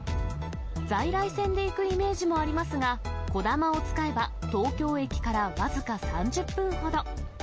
在来線で行くイメージもありますが、こだまを使えば東京駅から僅か３０分ほど。